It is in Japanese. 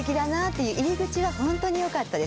入り口は本当によかったです。